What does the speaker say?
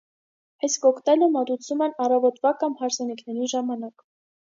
Այս կոկտեյը մատուցում են առավոտը կամ հարսանիքների ժամանակ։